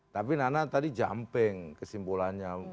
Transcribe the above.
tapi nana tadi jumping kesimpulannya